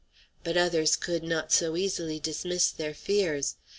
But others could not so easily dismiss their fears.